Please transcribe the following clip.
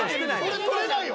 俺取れないよ